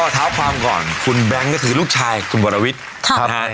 เท้าความก่อนคุณแบงค์ก็คือลูกชายคุณวรวิทย์